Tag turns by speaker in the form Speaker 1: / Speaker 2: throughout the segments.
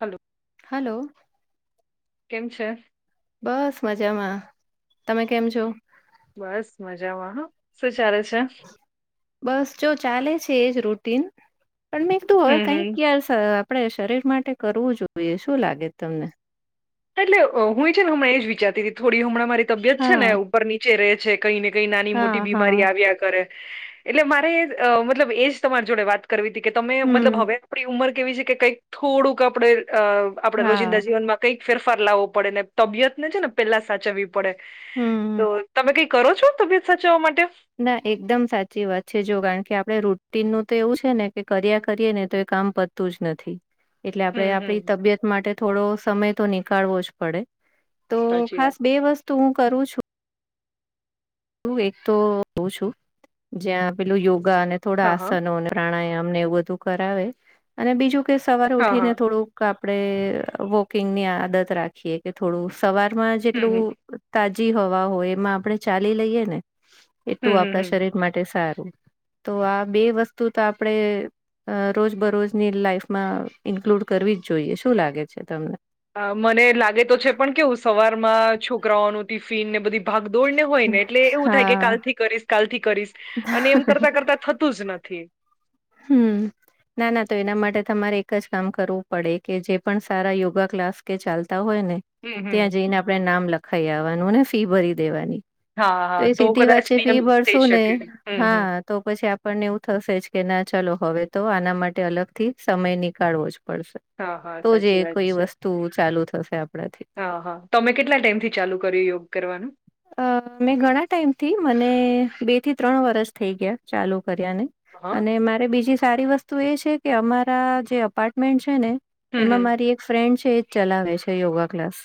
Speaker 1: Hello.
Speaker 2: Hello.
Speaker 1: કેમ છે?
Speaker 2: બસ મજામાં તમે કેમ છો?
Speaker 1: બસ મજામાં હ સુચાલે છે?
Speaker 2: બસ જો ચાલે છે, એજ રૂટીન. પણ મેં તું હવે
Speaker 1: હમ હમ
Speaker 2: કઈક ક આપણે શરીર માટે કરવું જોઈએ શું લાગે તમને?
Speaker 1: એટલે હુંય છે, હમણાં એ જ વિચારતી હતી થોડી હમણાં મારી તબિયત છે, ને
Speaker 2: હા
Speaker 1: ઉપર નીચે રે કઈ ને કઈ નાની
Speaker 2: હા
Speaker 1: મોટી
Speaker 2: હા
Speaker 1: બીમારી આવ્યા કરે એટલે મારે અ મતલબ એજ તમારી જોડે વાત કરવી હતી કે તમે મતલબ
Speaker 2: હમ
Speaker 1: હવે આપણી ઉંમર કેવી છે કે કંઈક થોડુંક આપણે અ આપડે રોજિંદા
Speaker 2: હા
Speaker 1: જીવનમાં કંઈક ફેરફાર લાવવો પડેને તબિયતને છે, ને પેલા સાચવવી પડે તો
Speaker 2: હમ
Speaker 1: તમે કઈ કરો છો તબિયત સાચવવા માટે.
Speaker 2: ના એકદમ સાચી વાત છે જો કારણ કે આપડણે ટીનનું તો એવું છે ને કે કર્યા કરીએ ને તો એ કામ પતું જ નથી. એટલે આપડે
Speaker 1: હમ હમ
Speaker 2: આપડી તબિયત માટે થોડો સમય તો નીકાળવો જ પડે. તો
Speaker 1: સાચી
Speaker 2: ખાસ
Speaker 1: વાત
Speaker 2: બે વસ્તુ હું કરું છું. હું એક તો હો છું જ્યાં પેલું યોગા અને થોડા
Speaker 1: હા હા
Speaker 2: આસનો અને પ્રાણાયામ. અમને એવું બધું કરાવે અને બીજું કે સવાર
Speaker 1: હા
Speaker 2: ઉઠીને
Speaker 1: હા
Speaker 2: થોડું કા. આપણે વોકિંગની આદત રાખીએ કે થોડું સવારમાં
Speaker 1: હમ
Speaker 2: જેટલું
Speaker 1: હમ
Speaker 2: ત જ હવા હો એમાં આપણે ચાલી લઈએ ને એટલું
Speaker 1: હમ હમ
Speaker 2: આપણા
Speaker 1: હમ
Speaker 2: શરીર માટે સારું. તો આ બે વસ્તુ તો આપડે અ રોજ બરોજની લાઈફમાં ઇન્ક્લુડ કરવી જ જોઈએ શું લાગે છે તમને.
Speaker 1: છોકરાઓ ન ટિફિન ને બધી. ભાગદોડને હોય ને એટલે એવું થાય કે કાલ
Speaker 2: હા
Speaker 1: થી કરીશ કાલ થી કરીશ અને એમ કરતા કરતા થતું જ નથી.
Speaker 2: હમ ના ના તો એના માટે તમારે. કામ કરવું પડે કે જે પણ સારા યોગા ક્લાસ કે ચાલ. હોય ને
Speaker 1: હમ હમ.
Speaker 2: ત્યાં જઈને આપણે નામ લખાઈ આવવાનું ને ફી ભરી દેવાની.
Speaker 1: હા
Speaker 2: તો
Speaker 1: હા
Speaker 2: એ સીધી
Speaker 1: કદાચ
Speaker 2: વાચ્ચે ફી
Speaker 1: નિયમિત થઈ
Speaker 2: ભરશુ ને
Speaker 1: શકે હમ હમ
Speaker 2: હા તો પછી આપણને એવું થશે જ. કે ના ચલોો હવે તો આના માટે અલગથી સમય નીકાળવો જ પડશે.
Speaker 1: હા હા
Speaker 2: તો જ
Speaker 1: સાચી
Speaker 2: એ
Speaker 1: વાત
Speaker 2: કોઈ
Speaker 1: છે
Speaker 2: વસ્તુ ચાલુ થશે આપણાથી
Speaker 1: હા હા તમે કેટલા ટાઈમથી ચાલુ કર્યું કરવાનું
Speaker 2: અ મેં ઘણા ટાઈમ થી મને બે થી ત્રણ વરસ થઈ ગયા ચાલુ કર્યા ને
Speaker 1: હા
Speaker 2: અને મારે બીજી સારી વસ્તુ એ છે કે અમારા જે અપાર્ટમેન્ટ છે ને
Speaker 1: હમ હમ
Speaker 2: એમાં મારી એક ફ્રેન્ડ છે એજ ચલાવે છે યોગા ક્લાસ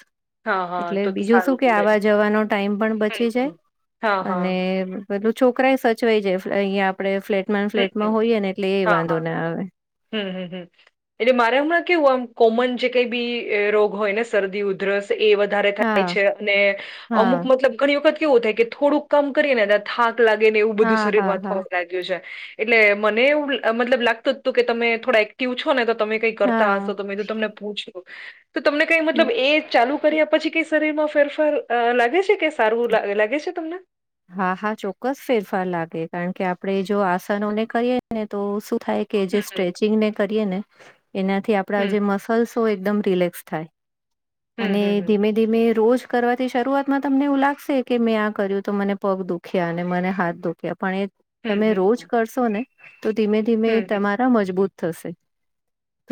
Speaker 1: હા હા
Speaker 2: એટલે
Speaker 1: તો તો
Speaker 2: બીજું શું
Speaker 1: સારું
Speaker 2: કે
Speaker 1: પડે
Speaker 2: આવા જવાનો ટાઈમ પણ
Speaker 1: હમ
Speaker 2: બચી
Speaker 1: હમ
Speaker 2: જાય
Speaker 1: હા હા
Speaker 2: અને બધલું છોકરાય સચવાઈ જાય અંયા આપણે ફ્લેટમાં ને
Speaker 1: હમ
Speaker 2: ફ્લેટમાં
Speaker 1: હમ
Speaker 2: હોઈએ ને એટલે એ
Speaker 1: હા હા
Speaker 2: વાંધો ના આવે
Speaker 1: હમ હમ હમ એટલે મારે હમણાં કેવું આમ કોમન જે કઈ બી રોગ હોય ને શરદી ઉધરસ એ વધારે થાય
Speaker 2: હા
Speaker 1: છે અને
Speaker 2: હા
Speaker 1: અમુક મતલબ ઘણી વખત કેવું થાય કે થોડુંક કામ કરીએ ને થાક લાગે ને એવું
Speaker 2: હા
Speaker 1: બધું શરીર
Speaker 2: હા
Speaker 1: માં
Speaker 2: હા
Speaker 1: થવા લાગ્યું છે એટલે મને એવું મતલબ લાગતું તું કે તમે થોડા એક્ટિવ છો ને તો તમે કઈ કરતા
Speaker 2: હા
Speaker 1: હશો તો મેં તો તમને પૂછ્યું તો તમને કઈ મતલબ એ ચાલુ કર્યા પછી કંઈ શરીર માં ફેરફાર અ લાગે છે કે સારું લ લાગે છે તમને
Speaker 2: હા હા ચોક્કસ ફેરફાર લાગે કારણ કે આપણેે જો આસનોને કરીએ ને તો શું થાય કે જે
Speaker 1: હમ,
Speaker 2: સ્ટ્રેચિંગને કરીએ ને એનાથી આપણા
Speaker 1: હમ,
Speaker 2: જે મસલ્સ હો એકદમ રિલેક્સ થાય
Speaker 1: હમ,
Speaker 2: અને
Speaker 1: હમ,
Speaker 2: ધીમે ધીમે રોજ કરવાથી શરૂઆતમાં તમને એવું લાગશે કે મેં આ કર્યું તો મને પગ દુખ્યા અને મને હાથ દુખ્યા પણ એ
Speaker 1: હમ, હમ,
Speaker 2: તમે
Speaker 1: હમ,
Speaker 2: રોજ કરશો ને તો ધીમે ધીમે
Speaker 1: હમ, હમ, હમ,
Speaker 2: તમારા મજબૂત થશે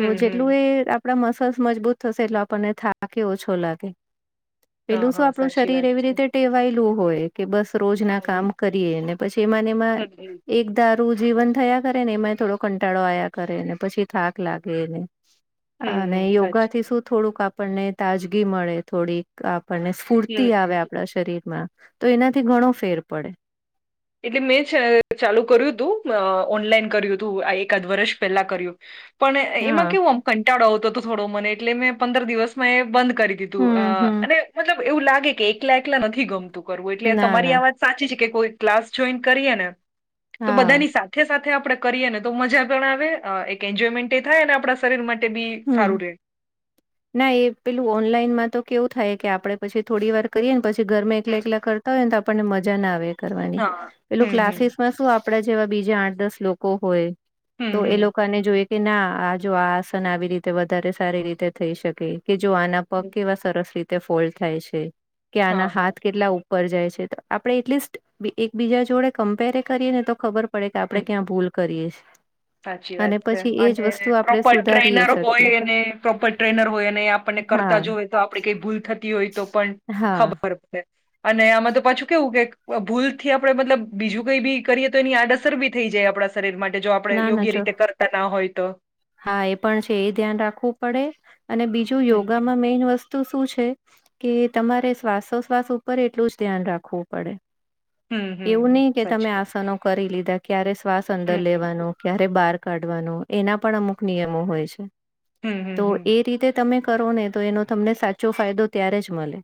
Speaker 2: તો
Speaker 1: હમ,
Speaker 2: જેટલું
Speaker 1: હમ.
Speaker 2: એ આપણા મસલ્સ મજબૂત થશે એટલે આપણને થાકેય ઓછો લાગે
Speaker 1: હા,
Speaker 2: પેલું શું
Speaker 1: હા,
Speaker 2: આપણું
Speaker 1: સાચી
Speaker 2: શરીર
Speaker 1: વાત
Speaker 2: એવી
Speaker 1: છે.
Speaker 2: રીતે ટેવાયેલું હોય કે બસ રોજ
Speaker 1: હમ,
Speaker 2: ના
Speaker 1: હમ,
Speaker 2: કામ કરીએ ને પછી એમાંને એમાં
Speaker 1: હમ, હમ.
Speaker 2: એકદા રું જીવન થયા કરે ને એમાંય થોડો કંટાળો આયા કરેને પછી થાક લાગેને
Speaker 1: હમ
Speaker 2: અને
Speaker 1: હમ સાચી
Speaker 2: યોગાથી
Speaker 1: વાત.
Speaker 2: શું થોડુંક આપણને તાજગી મળે થોડીક આ પણને સ્ફૂર્તિ
Speaker 1: હમ
Speaker 2: આવે
Speaker 1: હમ
Speaker 2: આપણા શરીરમાં તો એનાથી ઘણો ફેર પડે
Speaker 1: એટલે મેં છ ચાલુ કર્યું તું અ ઓનલાઈન કર્યું તું આ એકાદ વર્ષ પહેલા કર્યું પણ એમાં
Speaker 2: હા
Speaker 1: કેવું આમ કંટાળો આવતો તો થોડો મને એટલે મેં પંદર દિવસમાં એ બંધ કરી દીધું અ
Speaker 2: હમ હમ
Speaker 1: અને મતલબ એવું લાગે કે એકલા એકલા નથી ગમ તું કરવું એટલે
Speaker 2: ના
Speaker 1: તમારી
Speaker 2: ના
Speaker 1: આ વાત સાચી છે કે કોઈ ક્લાસ જોઈન કરીએ ને તો
Speaker 2: હા
Speaker 1: બધાની સાથે સાથે આપણે કરીએ ને તો મજા પણ આવે અ એક એન્જોયમેન્ટ એ થાય ને આપણા શરીર માટે બી
Speaker 2: હમ
Speaker 1: સારું રે
Speaker 2: ના એ પેલું ઓનલાઈનમાં તો કેવું થાય કે આપડે પછી થોડી વાર કરીએ ને પછી ઘરમાં એકલા એકલા કરતા હોય ને તો આપણને મજા ના આવે એ કરવાની
Speaker 1: હા
Speaker 2: પેલું
Speaker 1: હમ હમ
Speaker 2: ક્લાસીસ માં શુ આપ આપડા જેવા બીજા આઠ દસ લોકો હોય તો એ
Speaker 1: હમ
Speaker 2: લોકાને જોઈ કે ના આ જો આ આસન આવી રીતે વધારે સારી રીતે થઈ શકે કે જો આના પગ
Speaker 1: હમ
Speaker 2: કેવા સરસ રીતે ફોલ્ડ થાય છે કે
Speaker 1: હા
Speaker 2: આના
Speaker 1: હા
Speaker 2: હાથ કેટલા ઉપર જાય છે તો આપડે એટલીસ્ટ એકબીજા જોડે કમ્પેરે કરીએ ને તો ખબર પડે કે
Speaker 1: હમ
Speaker 2: આપડે ક્યાં ભૂલ કરીએ છે
Speaker 1: સાચી વાત છે અને
Speaker 2: આપણે
Speaker 1: પ્રોપર
Speaker 2: સુધારીએ
Speaker 1: ટ્રેનર
Speaker 2: શકીએ
Speaker 1: હોય અને પ્રોપર ટ ટનર હોય અને આપણને
Speaker 2: હા
Speaker 1: કરતા જોવે તો આપડી કઈ ભૂલ થતી હોય તો પણ
Speaker 2: હા
Speaker 1: ખબર પડે અને આમાં તો પાછું કેવું કે ભૂલ થી આપડે મતલબ બીજું કઈ બી કરીએ તો એની આડઅસર બી થઈ જે આપણા શરીર માટે જો આપડે
Speaker 2: ના ના
Speaker 1: યોગ્ય
Speaker 2: ચો
Speaker 1: રીતે કરતા ના હોય તો
Speaker 2: હા એ પણ છે એ ધ્યાન રાખવું પડે અને બીજું
Speaker 1: હમ
Speaker 2: યોગામાં મેઈન વસ્તુ શું છે કે તમારે શ્વાસોશ્વાસ ઉપર એટલું જ ધ્યાન રાખવું પડે
Speaker 1: હમ હમ
Speaker 2: એવું નહી કે તમે
Speaker 1: સાચી વાત
Speaker 2: આસનો કરી લીધા ક્યારે શ્વાસ અંદર
Speaker 1: હમ હમ
Speaker 2: લેવાનો ક્યારે બહાર કાઢવાનો એના પણ અમુક નિયમો હોય છે
Speaker 1: હમ હમ
Speaker 2: તો એ
Speaker 1: હમ
Speaker 2: રીતે તમે કરો ને તો એનો તમને સાચો ફાયદો ત્યારે જ મળે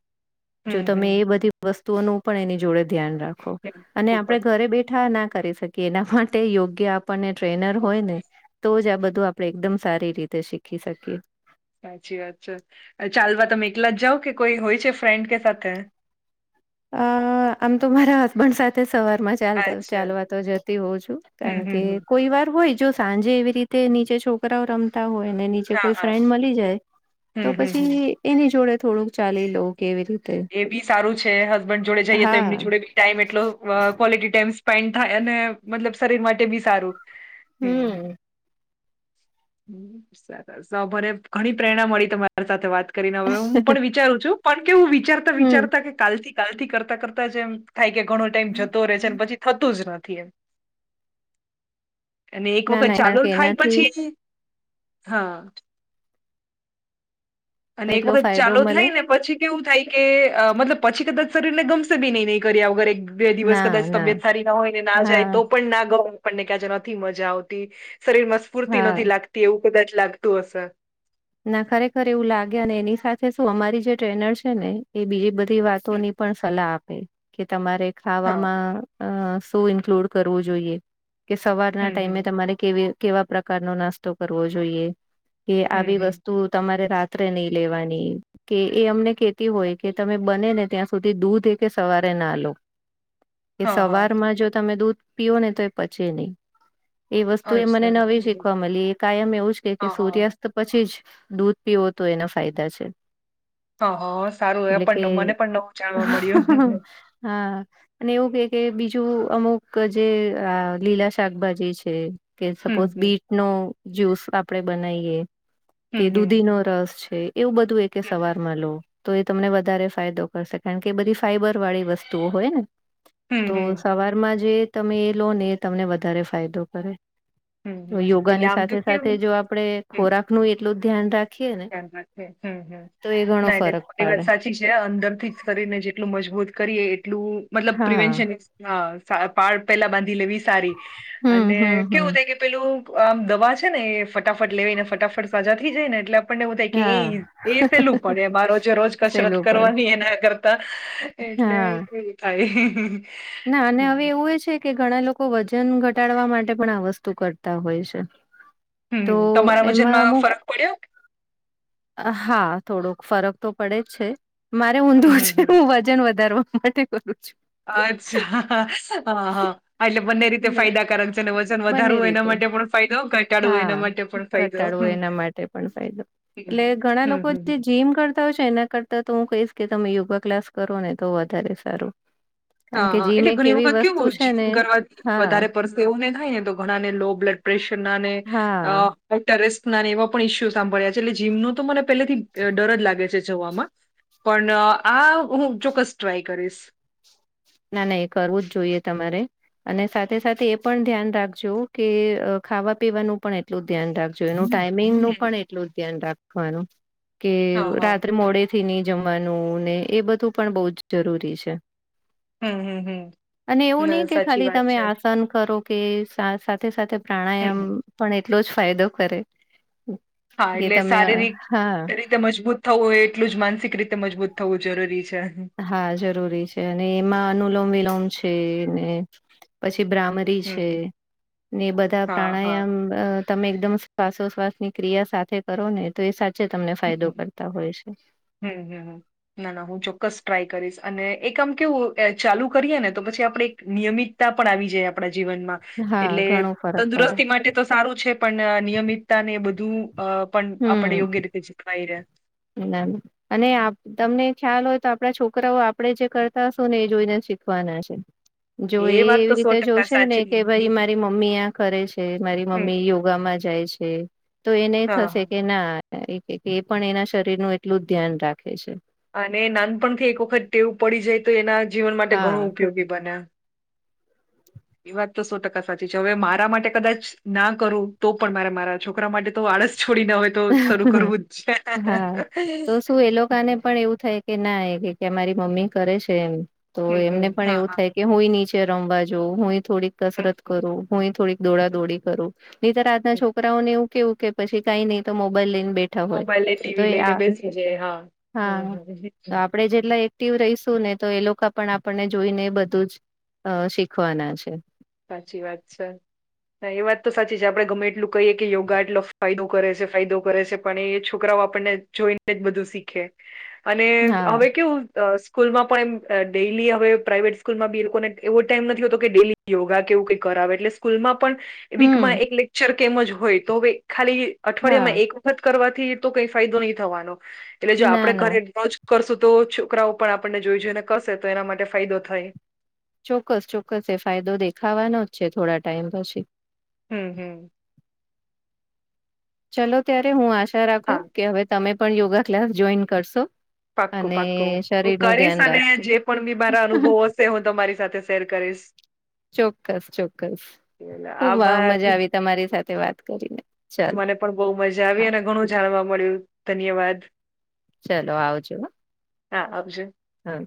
Speaker 2: જો તમે
Speaker 1: હમ
Speaker 2: એ બધી વસ્તુઓનું પણ એની જોડે ધ્યાન રાખો
Speaker 1: હમ
Speaker 2: અને
Speaker 1: ખૂબ
Speaker 2: આપણે ઘરે બેઠા ના કરી શકીએ એના માટે યોગ્ય આપને ટ્રેનર
Speaker 1: જ
Speaker 2: હોય ને તો જ આ બધું આપણે એકદમ સારી રીતે શીખી શકીએ.
Speaker 1: સાચી વાત છે ચાલવા તમે એકલા જ જાાવ કે કોઈ હોય છે ફ્રેન્ડ કે સાથે. [inaudible]
Speaker 2: અ આમ તો મારા હસબન્ડ સાથે. સવાર માં ચાલતા
Speaker 1: અચ્છા
Speaker 2: ચાલવા તો જતી હોઉં છું
Speaker 1: હમ
Speaker 2: કારણ
Speaker 1: હમ
Speaker 2: કે
Speaker 1: હમ
Speaker 2: કોઈ વાર હોય. જો સાંજે એવી રીતે નીચે છોકરાઓ રમતા હોય. એને નીચે
Speaker 1: હા
Speaker 2: કોઈ
Speaker 1: હા
Speaker 2: ફ્રેન્ડ મળી જાય
Speaker 1: હમ
Speaker 2: તો
Speaker 1: હમ હમ
Speaker 2: પછી એની જોડે થોડુંક ચાલી લોઉ કેવી રીતે.
Speaker 1: એ બી સારું છે હસબન્ડ જોડે જઈએ તો એમની
Speaker 2: હા.
Speaker 1: જોડે બી ટાઈમ એટલો ક્વલિટી ટમ્. પેન્ટ થાય અને મતલબ શરીર માટે બી સારું.
Speaker 2: હમ.
Speaker 1: ભરે ઘણી પ્રેરણા મળી તમારી સાથે વાત. કરીને હું પણ વિચારું છું પણ કેવું વિચારતા
Speaker 2: હમ્મ.
Speaker 1: વિચારતા કે કાલથી કાલથી કરતા કરતા જેમ. થાય કે ઘણો ટાઈમ જતો રહે છે પછી થતું જ નથી એમ. અને એક
Speaker 2: ના
Speaker 1: વખત
Speaker 2: ના કારણ
Speaker 1: ચાલુ
Speaker 2: કે
Speaker 1: થાય
Speaker 2: એનાથી
Speaker 1: પછી હા. અને એક
Speaker 2: એટલો
Speaker 1: વખત
Speaker 2: ફાયદો
Speaker 1: ચાલુ
Speaker 2: મળે
Speaker 1: થાય ને પછી. કેવું થાય કે મતલબ પછી કદાચ શરીર ને ગમસે બી ન નહીં કર્યા વગર. બે દિવસ કદાચ તબિયત સારી ના હોય ને ના જાય તો
Speaker 2: હા
Speaker 1: પણ ના ગઉ આપણને ક્યાં નથી મજા આવતી. શરીર માં સ્ફૂર્તિ
Speaker 2: હા.
Speaker 1: નથી લાગતી એવું કદાચ લાગતું હશે.
Speaker 2: ના ખરેખર એવું લાગે અને એની સાથે શું અમારી જે ટ્રેનર છે ને એ બીજ બધ. બધ વાતોની પણ સલાહ આપે કે તમારે
Speaker 1: હા
Speaker 2: ખાવામાં. શું ઇન્ક્લુડ કરવું જોઈએ કે સવારના
Speaker 1: હમ
Speaker 2: ટાઈમે
Speaker 1: હમ
Speaker 2: તમારે કેવી. કેવા પ્રકાર નો નાસ્તો કરવો જોઈએ કે
Speaker 1: હમ
Speaker 2: આવી વસ્તુ.
Speaker 1: હમ
Speaker 2: તું તમારે રાત્રે નહી લેવાની કે એ અમને કેતી હોય કે તમે બનેને ત્યાં. સુધી દૂધ એ સવારે ના લો કે
Speaker 1: હા હા
Speaker 2: સવારમાં જો તમે દૂધ. પીઓને તો એ પચે નહી. એ વસ્તુ એ મને
Speaker 1: અચ્છા
Speaker 2: નવી શીખવા મળી એ કાયમ એવું જ કે કે
Speaker 1: હા હા
Speaker 2: સૂર્યાસ્ત પછી જ. દૂધ પીવો તો એના ફાયદા છે.
Speaker 1: [inaudible] સારું એ
Speaker 2: એટલે કે
Speaker 1: પણ મને પણ નવું જાણવા મળ્યું હમ
Speaker 2: હા અને એવું કે કે બીજું. ું અમુક જે લીલા શાકભાજી છે કે સપોઝ
Speaker 1: હમ
Speaker 2: બીટ નો. જ્યુસ આપડે બનાવીએ કે
Speaker 1: હમ
Speaker 2: દૂધી
Speaker 1: હમ
Speaker 2: નો રસ છે. એવું બધું એ કે
Speaker 1: હમ
Speaker 2: સવારમાં લો. તો એ તમને વધારે ફાયદો કરશે કારણકે એ બધી ફાઈબર વાળી વસ્તુઓ હોય ને.
Speaker 1: હમ
Speaker 2: તો
Speaker 1: હમ
Speaker 2: સવારમાં જે તમે એ લો ને એ તમને વધારે ફાયદો કરે.
Speaker 1: હમ
Speaker 2: તો
Speaker 1: હમ. એટલે
Speaker 2: યોગાની
Speaker 1: આમ તો
Speaker 2: સાથે સાથે
Speaker 1: કેવું
Speaker 2: જો આપડે ખોરાક નું એટલું જ ધ્યાન રાખ
Speaker 1: હ હમ હમ.
Speaker 2: ઘણો
Speaker 1: નાહી ન
Speaker 2: ફરક
Speaker 1: થરી
Speaker 2: પાડે
Speaker 1: વાત સાચી છે અંદર થી જ શરીરને જેટલું મજબૂત કરીએ. એટલુ મતલબ
Speaker 2: હા
Speaker 1: પ્રવેશન પાળ પેલા બાંધી લેવી. સારી,
Speaker 2: હમ
Speaker 1: અને
Speaker 2: હમ હમ
Speaker 1: કેવું થ કે પેલું આમ દવા છે ને એ ફટાફટ લેવીઈ ને ફટાફટ સાજા થઈ જાય ને એટલે આપણેને થાય
Speaker 2: હા
Speaker 1: કે સેલું પડેમારોજ રોજ કસરત
Speaker 2: સહેલું પડે
Speaker 1: કરવાની એના કરતા.
Speaker 2: હા
Speaker 1: એટલે કેવું થાય. હમ
Speaker 2: ના અને હવે એવું એ છે કે ઘણા લોકો લોકો વજન ઘટાડવા માટે પણ આ વસ્તુ કરતા હોય છે. તો
Speaker 1: હમ તમારા
Speaker 2: એમાં
Speaker 1: વજનમાં
Speaker 2: અમુક
Speaker 1: ફરક પડ્યો?
Speaker 2: હા થોડોક ફરક તો પડે જ છે મારે
Speaker 1: હમ
Speaker 2: ઊંધું
Speaker 1: હમ
Speaker 2: છે
Speaker 1: હમ
Speaker 2: હું વજન વધારવા. માટે કરુ છું. એટલે
Speaker 1: અચ્છા હા હા એટલે બંને રીતે ફાયદાકારક છે અને વજન
Speaker 2: બંને
Speaker 1: વધારું હોય એના
Speaker 2: રીતે
Speaker 1: માટે પણ ફાયદો ઘટાડવું
Speaker 2: હા
Speaker 1: એના માટે પણ ફાયદો
Speaker 2: ઘટાડવો
Speaker 1: હમ
Speaker 2: એના માટે પણ ફાયદો. એટલે ઘણા
Speaker 1: હમ
Speaker 2: લોકો
Speaker 1: હમ.
Speaker 2: જે જીમ કરતા હોય છે એના કરતા તો હું ક એજ કે તમે યોગા ક્લાસ કરો ને તો વધારે સારું. કારણ
Speaker 1: હા
Speaker 2: કે
Speaker 1: હા
Speaker 2: જીમ
Speaker 1: એટલે
Speaker 2: એક
Speaker 1: ઘણી
Speaker 2: એવી
Speaker 1: વખત
Speaker 2: વસ્તુ
Speaker 1: કેવું
Speaker 2: છે ને
Speaker 1: જીમ કરવાથી
Speaker 2: હા
Speaker 1: વધારે પરસે એવું ની થાય ને તો ઘણા ને લો બ્લડ પ્રેશર ના ને
Speaker 2: હા.
Speaker 1: ના હાઈટરેસ્ટ એવા પણ ઈસ્યુ સાંભળ્યા છે એટલમો તો મને પેલેથી ડર જ લાગે છે. જવામાં, પણ આ હું ચોક્કસ ટ્રાય કરીશ.
Speaker 2: ના ના એ કરવું જ જોઈએ તમારે. અને સાથે સાથે એ પણ ધ્યાન રાખજો કે ખાવા પીવાનું પણ એટલું ધ્યાન રાખજો એનું. ટાઈમિંગ નું
Speaker 1: હમ
Speaker 2: પણ એટલું ધ્યાન રાખવાનું, કે
Speaker 1: હા હા
Speaker 2: રાત્રે મોડે થી ની જમવાનું ને એ બધું પણ બહ જ જરૂરી છે.
Speaker 1: હમ હમ હમ
Speaker 2: અને એવું નહી
Speaker 1: ના
Speaker 2: કે
Speaker 1: સાચી
Speaker 2: ખાલી
Speaker 1: વાત
Speaker 2: તમે
Speaker 1: છે
Speaker 2: આસન કરો. કે સાથે સાથે પ્રાણાયામ
Speaker 1: હમ
Speaker 2: પણ એટલો જ ફાયદો કરે.
Speaker 1: હા
Speaker 2: કે
Speaker 1: એટલે
Speaker 2: તમે અ,
Speaker 1: શારીરિક
Speaker 2: હા
Speaker 1: રીતે મજબૂત થવું હોય એટલું જ માનસિક રીતે મજબૂત થવું જરૂરી છે.
Speaker 2: હા જરૂરી છે અને એમાં અનુલોમ વિલોમ છે ને, પછી જે બ્રામરી
Speaker 1: હમ
Speaker 2: છે,
Speaker 1: હમ
Speaker 2: ને બધા
Speaker 1: હા હા
Speaker 2: પ્રાણાયામ તમે એકદમ શ્વાસોશ્વાસની ક્રિયા સાથે કરો ને તો એ ચે તમને ફાયદો
Speaker 1: હમ
Speaker 2: કરતા હોય છે.
Speaker 1: હમ હમ ના ના હું ચોક્કસ ટ્રાય કરીશ અને એ કામ કેવું ચાલુ કરીએ ને તો પછી આપ નિયમિતતા પણ આવી જાય આપડા જીવનમાં,
Speaker 2: હા
Speaker 1: એટલે
Speaker 2: ઘણો ફરક પડે
Speaker 1: તંદુરસ્તી માટે તો સારું છે પણ નિયમિતતા ને બધું અહ પણ આપડા
Speaker 2: હમ
Speaker 1: યોગ્ય રીતે જળવાઈ રહે.
Speaker 2: અને તમને ખ્યાલ હોય તો આપણા છોકરાઓ આપણેે જે કરતા હશું ને એ જોઈને શીખવાના છે. જો એ
Speaker 1: વાત
Speaker 2: એવી
Speaker 1: તો
Speaker 2: રીતે
Speaker 1: સો ટકા
Speaker 2: જોશે ને
Speaker 1: સાચી
Speaker 2: કે ભાઈ મારી મમ્મી આ કરે છે મારી
Speaker 1: હમ,
Speaker 2: મમ્મી યોગામાં જાય છે. તો એ નહી
Speaker 1: હા
Speaker 2: થશે.
Speaker 1: હા
Speaker 2: કે ના એક એ પણ એના શરીર નું એટલું જ ધ્યાન રાખે છે.
Speaker 1: અને નાનપણથી એક વખત તેવું પડી જાય તો એના જીવન માટે
Speaker 2: હા
Speaker 1: ઘણું ઉપયોગી બન્યા. એ વાત તો સો ટકા સાચી છે હવે મારા માટે કદાચ ના કરું તો પણ મારે મારા છોકરા માટે તો આળસ છોડી ના હોય તો શરૂ કરવું જ છે.
Speaker 2: હા તો શું એ લોકોને પણ એવું થાય કે ના એ કે અમારી મમ્મી કરે છે એમ તો
Speaker 1: હમ
Speaker 2: એમને પણ
Speaker 1: હા
Speaker 2: એવું
Speaker 1: હા
Speaker 2: થાય કે હું નીચે રમવા જો હું. થોડીક
Speaker 1: હમ
Speaker 2: કસરત
Speaker 1: હમ
Speaker 2: કરું હુંય થોડીક દોડા દોડી કરું, નનીતર આજના
Speaker 1: હમ.
Speaker 2: છોકરાઓને એવું. કેવું કે પી કઈ નઈ તો મોબાઈલ લઈને બેઠા હોય
Speaker 1: મોબાઈલ ને
Speaker 2: તો
Speaker 1: ટીવી લઈને
Speaker 2: હા
Speaker 1: બેસી જાય હા હમ હમ
Speaker 2: આપણે જેટલા. એક્ટિવ રહીશું ને તો એ લોકો પણ આપણને જોઈને બધું જ શીખવાના છે.
Speaker 1: સાચી વાત સર. હા એ વાત તો સાચી છે આપડે ગમે એટલું કહીએ કે યોગા એટલો ફાયદો કરે છે ફાયદો કરે છે પણ એ છોકરાઓ. આપને જોઈને જ બધું શીખે અને
Speaker 2: હા
Speaker 1: હવે કેવું. સ્કૂલમાં પણ એમ ડેલી હવે પ્રાઇવેટ સ્કૂલમાં બી લોકોને એવો ટાઈમ નથીતો કે ડે. યોગા કેવું કઈ કરાવે એટલે સ્કૂલમાં પણ
Speaker 2: હમ
Speaker 1: વીકમાં એક લેક્ચર કેમ જ હોય તો હવે ખાલી. અઠવાડિયા માં
Speaker 2: હા
Speaker 1: એક વખત કરવાથી તો કઈ ફાયદો નહી થવાનો એટલે જો
Speaker 2: ના
Speaker 1: આપડે
Speaker 2: ના
Speaker 1: ઘરે રજ. કરશું તો છોકરાઓ પણ આપણને જોઈ જોઈને કરશે તો એના માટે ફાયદો થાય.
Speaker 2: ચોક્કસ ચોક્કસ એ ફાયદો દેખાવાનો જ છે થોડા ટાઈમ પછી.
Speaker 1: હમ હમ.
Speaker 2: ચલો ત્યારે હું આશા
Speaker 1: હા
Speaker 2: રાખું કે હવે તમે પણ યોગા ક્લાસ જોઈન કરશો.
Speaker 1: પાક્કું
Speaker 2: અને
Speaker 1: પાક્કોું હું
Speaker 2: શરીરનું
Speaker 1: કરીશ
Speaker 2: ધ્યાન
Speaker 1: અને
Speaker 2: રાખશો.
Speaker 1: જે પણ બી મારા અનુભવ હશે હું તમારી સાથે. શેર કરીશ.
Speaker 2: ચોક્કસ ચોક્કસ
Speaker 1: એટલે
Speaker 2: ખુબ
Speaker 1: આભાર
Speaker 2: મજા આવી તમારી સાથે વાત કરીને. ચલો
Speaker 1: મને પણ બહુ મજા આવી
Speaker 2: હા
Speaker 1: અને ઘણું જાણવા મળ્યું ધન્યવાદ.
Speaker 2: ચલો આવજો.
Speaker 1: હા આવજ.
Speaker 2: હા.